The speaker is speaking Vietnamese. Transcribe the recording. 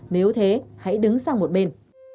nếu thế hãy đứng sang một bên